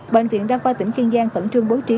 bệnh viện đa khoa tỉnh kiên giang khẩn trương bố trí